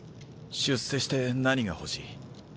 出世して何が欲しい？